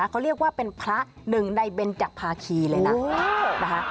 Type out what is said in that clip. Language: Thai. เขาเรียกว่าเป็นพระหนึ่งในเบนจักรภาคีเลยนะนะคะ